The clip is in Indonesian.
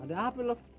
ada apa lo